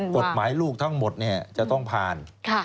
กฎหมายลูกทั้งหมดจะต้องผ่าน